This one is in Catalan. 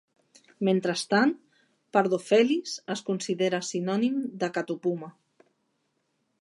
Mentrestant, "Pardofelis" es considera sinònim de "Catopuma".